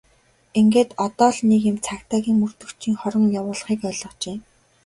Ингээд одоо л нэг юм цагдаагийн мөрдөгчийн хорон явуулгыг ойлгожээ!